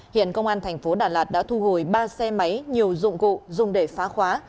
hiện công an tp đà lạt đã thu hồi ba xe máy nhiều dụng cụ dùng để phá khóa